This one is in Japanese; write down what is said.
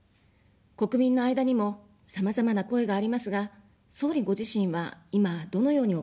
国民の間にも、さまざまな声がありますが、総理ご自身は今どのようにお考えでしょうか。